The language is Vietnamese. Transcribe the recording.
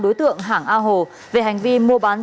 đối tượng hàng a hồ về hành vi mua bán